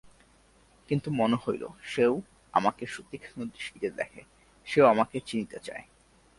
কিন্তু মনে হইল, সেও আমাকে সুতীক্ষ্ণ দৃষ্টিতে দেখে, সেও আমাকে চিনিতে চায়।